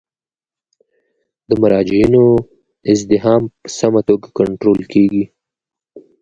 د مراجعینو ازدحام په سمه توګه کنټرول کیږي.